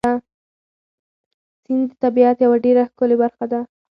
سیند د طبیعت یوه ډېره ښکلې برخه ده.